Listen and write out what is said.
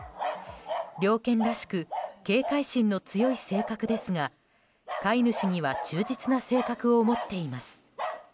猟犬らしく警戒心の強い性格ですが飼い主には忠実な性格を持っています。